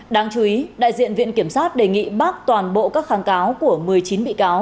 đáng chú ý đại diện viện kiểm sát đề nghị bác toàn bộ các kháng cáo của một mươi chín bị cáo